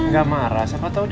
nggak marah locals tuh